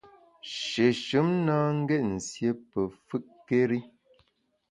Shéshùm na ngét nsié pe fùtkéri.